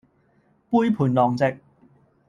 杯盤狼藉